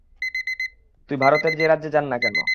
তুই ভারতের যে রাজ্যে যান না কেন।